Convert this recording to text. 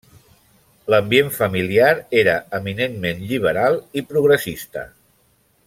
L’ambient familiar era eminentment lliberal i progressista.